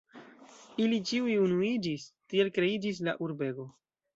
Ili ĉiuj unuiĝis, tiel kreiĝis la urbego.